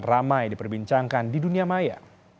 ramai diperbincangkan di dunia maya